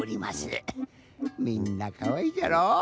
みんなかわいいじゃろ。